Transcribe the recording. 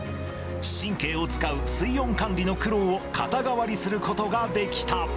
神経を使う水温管理の苦労を肩代わりすることができた。